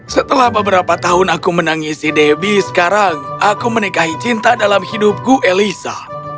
setelah beberapa tahun aku menangisi debbie sekarang aku menikahi cinta dalam hidupku elisa